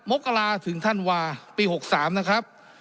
มกราถึงธันวาปี๖๓นะครับ